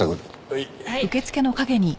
はい。